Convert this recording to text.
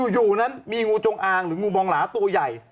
อยู่นั้นมีงูจงอางหรืองูบองหลาตัวใหญ่